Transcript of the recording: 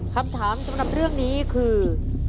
คำถามสำหรับเรื่องนี้คือ